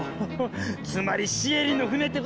つまりシエリの船ってことね。